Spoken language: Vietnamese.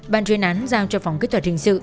bàn chuyên án giao cho phòng kỹ thuật trình sự